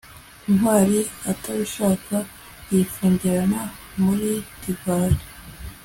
ntwali atabishaka yifungirana muri divayi